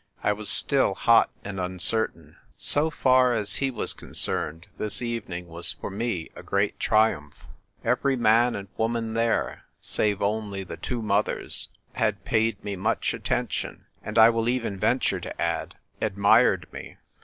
I was still hot and uncertain. So 192 THE TVPE WRITER GIRL. far as he was concerned this evening was for me a great triumph ; every man and woman there, save only the two mothers, had paid me much attention, and, I will even venture to add, admired me.